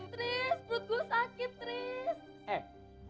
tris perut gue sakit tris